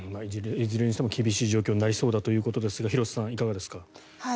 いずれにしても厳しい状況になりそうだということですが廣瀬さん、いかがですか？